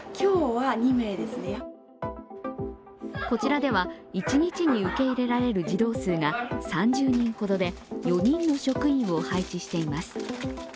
こちらでは、一日に受け入れられる児童数が３０人ほどで４人の職員を配置しています。